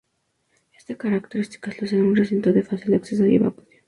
Estas características lo hacen un recinto de fácil acceso y evacuación.